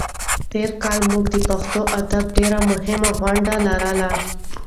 تېر کال موږ د پښتو ادب ډېرې مهمې غونډې لرلې.